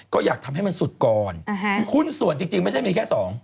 ก็อยากทำให้มันสุดก่อนหุ้นส่วนจริงไม่ใช่มีแค่สอง